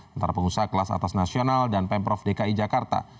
antara pengusaha kelas atas nasional dan pemprov dki jakarta